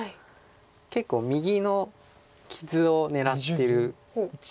結構右の傷を狙ってる。